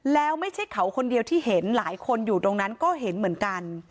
แล้วไม่ใช่เขาคนเดียวที่เห็นหลายคนอยู่ตรงนั้นก็เห็นเหมือนกัน